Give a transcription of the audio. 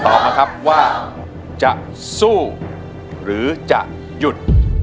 ออกมาครับว่าจะสู้หรือจะหยุด